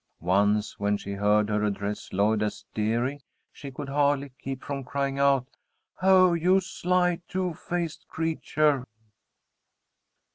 Once, when she heard her address Lloyd as "dearie," she could hardly keep from crying out, "Oh, you sly, two faced creature!"